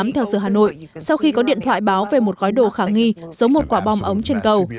theo giờ hà nội sau khi có điện thoại báo về một gói đồ khả nghi giấu một quả bom ống trên cầu